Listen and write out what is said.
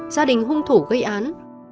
gia đình hung thủ gây án